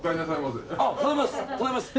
あただいまっす。